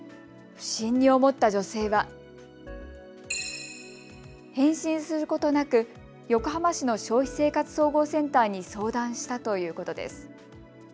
不審に思った女性は返信することなく横浜市の消費生活総合センターに相談したということです。